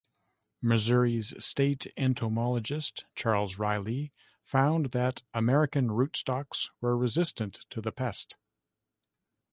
Missouri's state entomologist, Charles Riley, found that American rootstocks were resistant to the pest.